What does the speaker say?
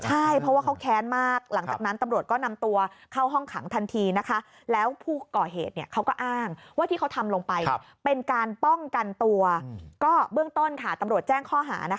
ใช่เพราะว่าเขาแค้นมากหลังจากนั้นตำรวจก็นำตัวเข้าห้องขังทันทีนะคะแล้วผู้ก่อเหตุเขาก็อ้างว่าที่เขาทำลงไปเป็นการป้องกันตัวก็เบื้องต้นค่ะตำรวจแจ้งข้อหา